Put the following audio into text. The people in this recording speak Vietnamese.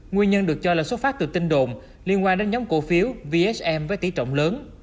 nguyên nhân được cho là xuất phát từ tin đồn liên quan đến nhóm cổ phiếu vsm với tỷ trọng lớn